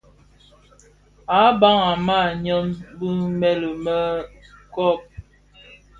À bab a màa nyɔng bi mëli mɛ kob.